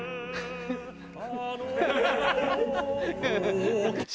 ハハハハ！